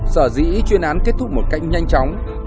sở dĩ chuyên án kết thúc một cách nhanh chóng